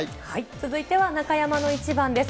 続いては中山のイチバンです。